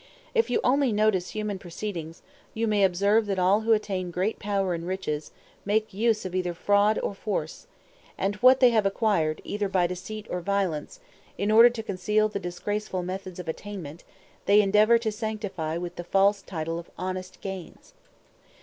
If you only notice human proceedings, you may observe that all who attain great power and riches, make use of either force or fraud; and what they have acquired either by deceit or violence, in order to conceal the disgraceful methods of attainment, they endeavor to sanctify with the false title of honest gains.